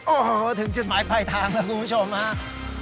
โอ้โฮถึงจุดหมายไปทางแล้วคุณผู้ชมครับ